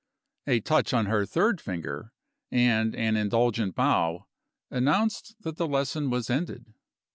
A touch on her third finger, and an indulgent bow, announced that the lesson was ended.